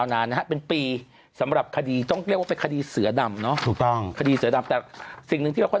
แม่งการักษ์แล่กใจตลอด